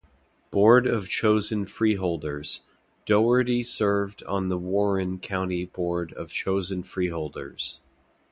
Board of Chosen Freeholders: Doherty served on the Warren County Board of Chosen Freeholders.